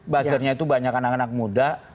buzzernya itu banyak anak anak muda